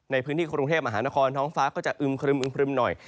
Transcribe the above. ในพื้นที่กรุงเทพมหานครท้องฟ้าก็จะอึมครึมหน่อย